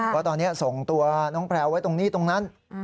เพราะตอนนี้ส่งตัวน้องแพลวไว้ตรงนี้ตรงนั้น